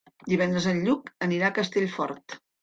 Divendres en Lluc anirà a Castellfort.